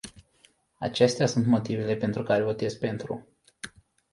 Acestea sunt motivele pentru care votez pentru.